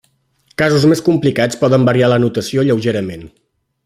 Casos més complicats poden variar la notació lleugerament.